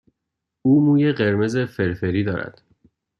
او موی قرمز فرفری دارد.